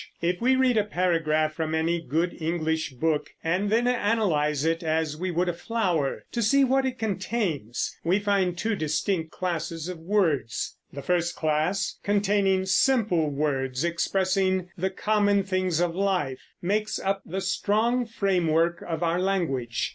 If we read a paragraph from any good English book, and then analyze it, as we would a flower, to see what it contains, we find two distinct classes of words. The first class, containing simple words expressing the common things of life, makes up the strong framework of our language.